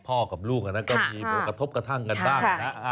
กับลูกก็มีผลกระทบกระทั่งกันบ้างนะ